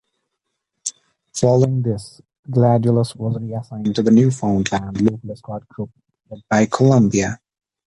Following this, "Gladiolus" was reassigned to the Newfoundland Local Escort Group, led by "Columbia".